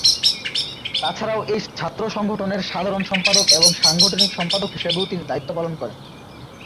তাছাড়াও এই ছাত্র সংগঠনের সাধারণ সম্পাদক এবং সাংগঠনিক সম্পাদক হিসেবেও তিনি দায়িত্ব পালন করেন।